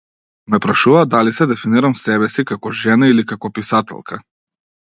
Ме прашуваа дали се дефинирам себе си како жена или како писателка.